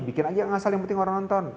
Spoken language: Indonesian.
bikin aja asal yang penting orang nonton